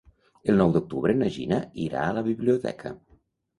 El nou d'octubre na Gina irà a la biblioteca.